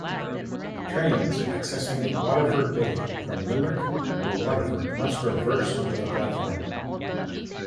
Trains accessing the Waterford bay from Limerick or Waterford must reverse into the platform.